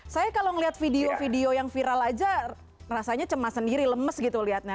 saya kalau melihat video video yang viral aja rasanya cemas sendiri lemes gitu lihatnya